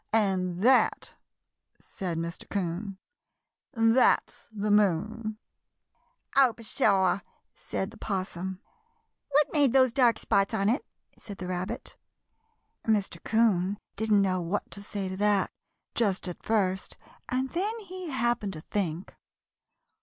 "And that," said Mr. 'Coon, "that's the moon!" "Oh, pshaw!" said the 'Possum. "What made those dark spots on it?" said the Rabbit. Mr. 'Coon didn't know what to say to that just at first, and then he happened to think.